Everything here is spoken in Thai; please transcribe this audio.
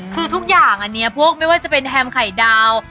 คือทุกอย่างอันนี้พวกไม่ว่าจะเป็นแฮมไข่ดาว